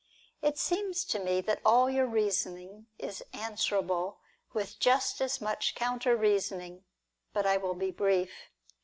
It seems to me that all your reasoning is answerable with just as much counter reasoning^. But I will be brief.